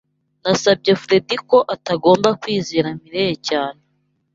Nasabye Fredy ko atagomba kwizera Mirelle cyane.